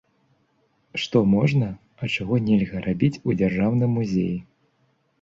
Што можна, а чаго нельга рабіць у дзяржаўным музеі?